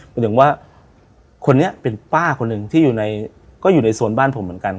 หมายถึงว่าคนนี้เป็นป้าคนหนึ่งที่อยู่ในก็อยู่ในโซนบ้านผมเหมือนกัน